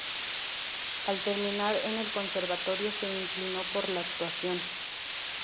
Al terminar en el Conservatorio se inclinó por la actuación.